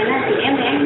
có bao nhiêu tiền luôn